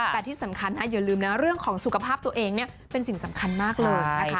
แต่ที่สำคัญอย่าลืมนะเรื่องของสุขภาพตัวเองเนี่ยเป็นสิ่งสำคัญมากเลยนะคะ